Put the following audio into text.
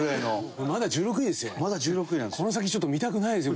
この先ちょっと見たくないですよ